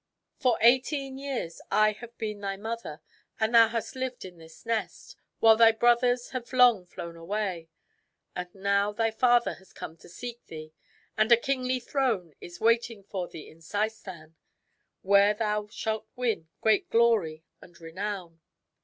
For eighteen years I have been thy mother, and thou hast lived in this nest, while thy brothers have long ago flown away. But now thy father has come to seek thee ; and a kingly THE WHITE HEADED ZAL 223 throne is waiting for thee in Seistan, where thou shalt win great glory and renown."